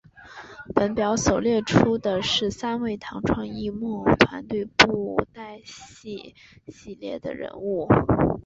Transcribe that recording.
本表所列出的是三昧堂创意木偶团队布袋戏系列的人物。